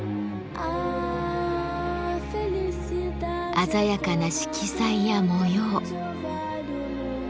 鮮やかな色彩や模様。